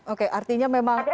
oke artinya memang